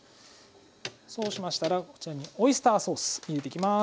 そうしましたらこちらにオイスターソース入れてきます。